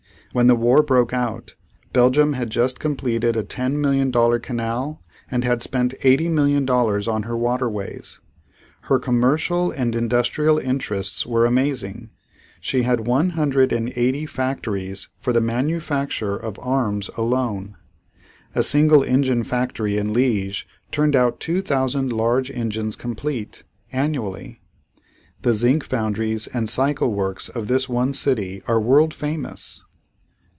When the war broke out Belgium had just completed a ten million dollar canal and had spent eighty million dollars on her waterways. Her commercial and industrial interests were amazing. She had one hundred and eighty factories for the manufacture of arms alone. A single engine factory in Liege turned out two thousand large engines complete, annually. The zinc foundries and cycle works of this one city are world famous.